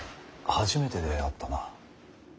初めてであったな。